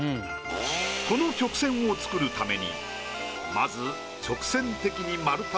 この曲線を作るためにまず。